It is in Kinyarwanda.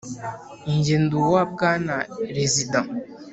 jye ndi uwa bwana rezida